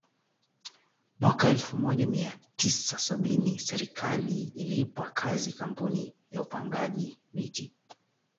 Mwaka elfu moja mia tisa sabini serikali iliipa kazi kampuni ya upangaji miji